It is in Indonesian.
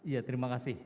ya terima kasih